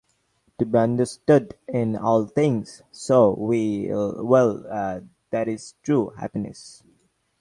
To be understood in all things "so" well, that is "true" happiness!".